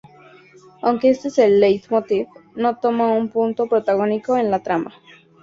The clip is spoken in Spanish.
Aunque este es el leitmotiv, no toma un punto protagónico en la trama.